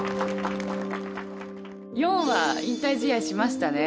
４話引退試合しましたね